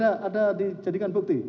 ada di jadikan bukti